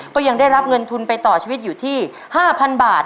ก็ยังได้รับเงินทุนไปต่อชีวิตอยู่ที่๕๐๐๐บาท